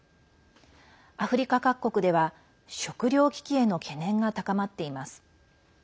アフリカ各国では食料危機への懸念が高まっています。